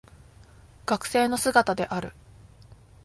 学生の姿である